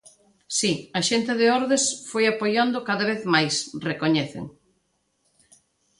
Si, a xente de Ordes foi apoiando cada vez máis, recoñecen.